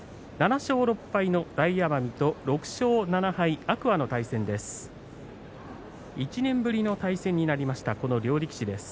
７勝６敗、大奄美と６勝７敗、天空海の対戦です。